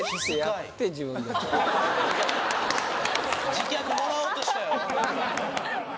次客もらおうとしたよ